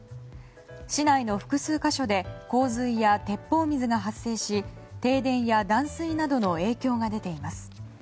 市内の複数箇所で洪水や鉄砲水が発生し停電や断水などの影響が出ています。